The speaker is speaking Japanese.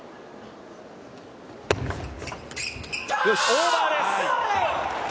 オーバーです！